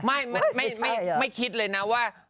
ไม่คิดเลยนะว่า